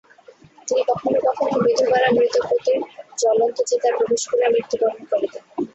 তখন কখনও কখনও বিধবারা মৃত পতির জ্বলন্ত চিতায় প্রবেশ করিয়া মৃত্যু বরণ করিতেন।